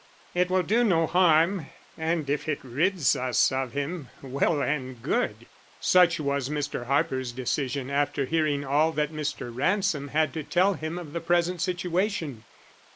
It will do no harm, and if it rids us of him, well and good." Such was Mr. Harper's decision after hearing all that Mr. Ransom had to tell him of the present situation.